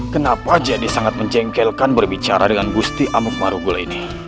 kenapa jadi sangat menjengkelkan berbicara dengan gusti amuk marubul ini